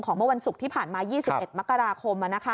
เมื่อวันศุกร์ที่ผ่านมา๒๑มกราคม